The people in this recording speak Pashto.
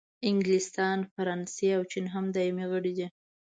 انګلستان، فرانسې او چین هم دایمي غړي دي.